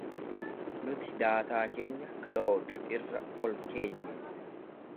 Nuti daataa keenya 'Cloud' irra ol-keenye.